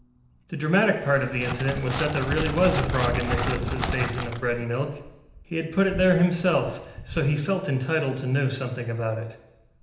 The dramatic part of the incident was that there really was a frog in NicholasŌĆÖ basin of bread and milk; he had put it there himself, so he felt entitled to know something about it.